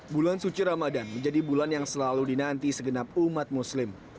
bulan suci ramadan menjadi bulan yang selalu dinanti segenap umat muslim